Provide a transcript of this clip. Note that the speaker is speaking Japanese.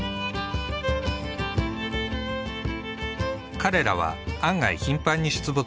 彼らは案外頻繁に出没している。